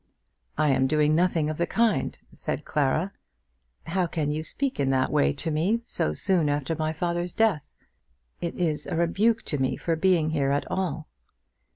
"I am doing nothing of the kind," said Clara. "How can you speak in that way to me so soon after my father's death? It is a rebuke to me for being here at all."